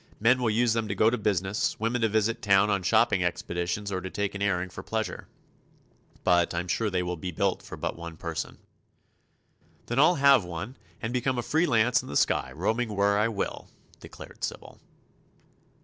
Men will use them to go to business, women to visit town on shopping expeditions or to take an airing for pleasure; but I'm sure they will be built for but one person." "Then I'll have one and become a free lance in the sky, roaming where I will," declared Sybil.